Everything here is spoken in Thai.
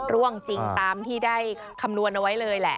ร่วงจริงตามที่ได้คำนวณเอาไว้เลยแหละ